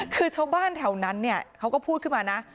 คือชาวบ้านแถวนั้นเนี่ยเขาก็พูดขึ้นมานะ